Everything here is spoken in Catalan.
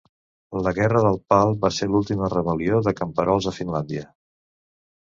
La Guerra del Pal va ser l'última rebel·lió de camperols a Finlàndia.